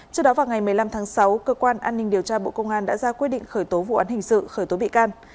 trước đó vào ngày một mươi năm tháng sáu cơ quan an ninh điều tra bộ công an đã ra quyết định khởi tố vụ án hình sự khởi tố bị can